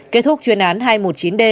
kết thúc chuyên án hai trăm một mươi chín d